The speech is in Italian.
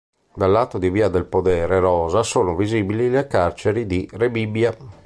Dal lato di via del Podere Rosa sono visibili le Carceri di Rebibbia.